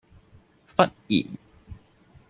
忽然